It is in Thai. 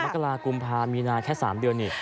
กรากุมภามีนาแค่๓เดือนนี่